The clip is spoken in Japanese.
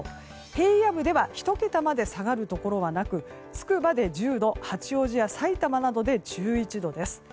平野部では１桁まで下がるところはなくつくばで１０度、八王子やさいたまなどで１１度です。